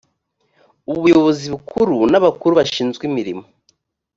ubuyobozi bukuru n abakuru bashinzwe imirimo